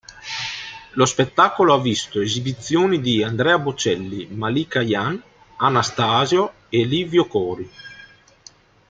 Lo spettacolo ha visto esibizioni di Andrea Bocelli, Malika Ayane, Anastasio e Livio Cori.